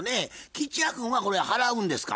吉弥君はこれ払うんですか？